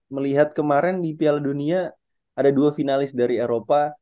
karena kemarin di piala dunia ada dua finalis dari eropa